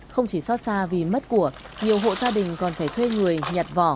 không chỉ xót xa vì mất của nhiều hộ gia đình còn phải thuê người nhặt vỏ